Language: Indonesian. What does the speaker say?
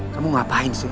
kamu ngapain sih